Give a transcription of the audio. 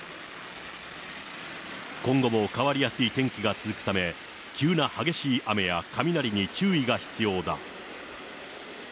今後も変わりやすい天気が続くため、急な激しい雨や雷に注意が必要だ。